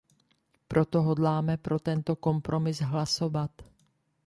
Proto hodláme pro tento kompromis hlasovat.